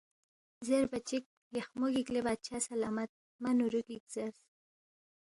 زیربا چِک، لیخمو گِک لے بادشاہ سلامت، مہ ںُورو گِک زیرس